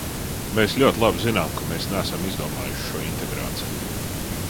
Mēs ļoti labi zinām, ka mēs neesam izdomājuši šo integrāciju.